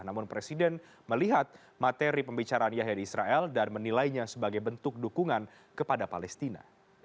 namun presiden melihat materi pembicaraan yahya di israel dan menilainya sebagai bentuk dukungan kepada palestina